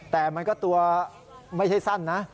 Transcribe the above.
แต่มันก็ตัวไม่ใช่สั้นนะ